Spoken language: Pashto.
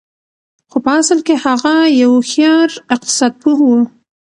خو په اصل کې هغه يو هوښيار اقتصاد پوه و.